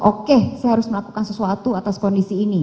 oke saya harus melakukan sesuatu atas kondisi ini